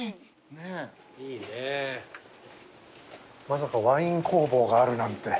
まさかワイン工房があるなんて。